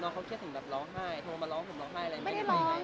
น้องเขาเครียดถึงแบบร้องไห้โทรมาร้องผมร้องไห้อะไร